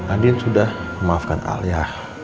andi sudah memaafkan al ya